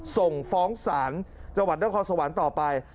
ส่งฟ้องศาลจังหวัดนครสวรรค์ต่อไป